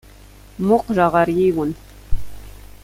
Mmuqqleɣ ɣer yiwen.